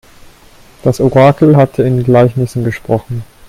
Das Orakel hatte in Gleichnissen gesprochen.